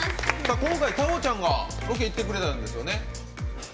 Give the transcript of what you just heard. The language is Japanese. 今回、太鳳ちゃんがロケ行ってくれたんですよね。